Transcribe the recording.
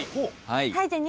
はい。